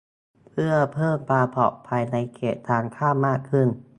เพื่อเพิ่มความปลอดภัยในเขตทางข้ามมากขึ้น